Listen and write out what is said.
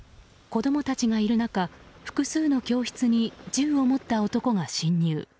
子供たちがいる中複数の教室に銃を持った男が侵入。